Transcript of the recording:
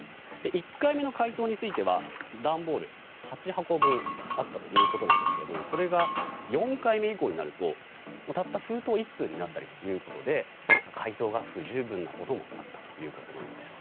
１回目の回答については段ボール８箱分あったといことなんですけれどもそれが、４回目以降になるとたった封筒１通になったりで回答が不十分なこともあったということです。